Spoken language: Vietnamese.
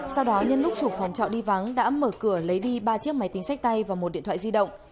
sau đó nhân lúc chủ phòng trọ đi vắng đã mở cửa lấy đi ba chiếc máy tính sách tay và một điện thoại di động